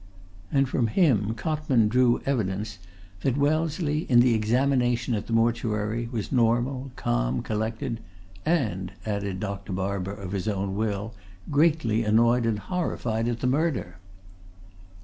And from him Cotman drew evidence that Wellesley, in the examination at the mortuary, was normal, calm, collected, and, added Dr. Barber, of his own will, greatly annoyed and horrified at the murder.